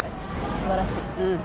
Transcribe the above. すばらしい？